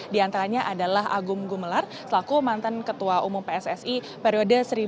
di antaranya adalah agung gumelar selaku mantan ketua umum pssi periode seribu sembilan ratus dua puluh